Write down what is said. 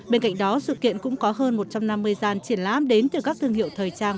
bên cạnh đó sự kiện cũng có hơn một trăm năm mươi gian triển lãm đến từ các thương hiệu thời trang